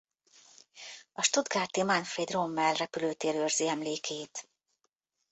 A stuttgarti Manfred Rommel Repülőtér őrzi emlékét.